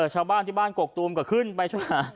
ชาวบ้านที่บ้านกกตูมก็ขึ้นไปช่วยหา